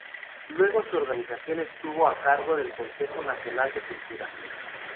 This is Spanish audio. Luego su organización estuvo a cargo del Consejo Nacional de la Cultura.